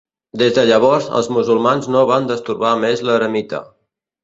Des de llavors, els musulmans no van destorbar més l'eremita.